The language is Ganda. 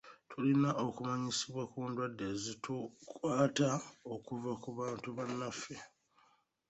Tulina okumanyisibwa ku ndwadde ezitukwata okuva ku bantu bannaffe.